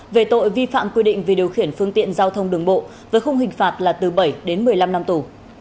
về tội vi phạm quy định về điều khiển phương tiện giao thông đường bộ với khung hình phạt là từ bảy đến một mươi năm năm tù